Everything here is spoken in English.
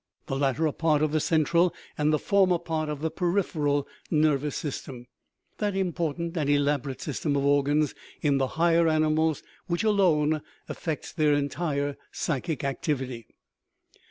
The latter are part of the central, and the former part of the peripheral, nervous system that important and elaborate system of organs in the higher animals which alone effects their entire psychic activity.